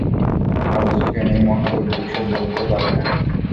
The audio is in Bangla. আবু সুফিয়ান এই মহা দুর্যোগ সহ্য করতে পারে না।